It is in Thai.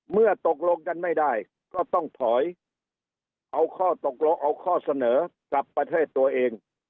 เมื่อตกลงกันไม่ได้ก็ต้องถอยเอาข้อตกลงเอาข้อเสนอกลับประเทศตัวเอง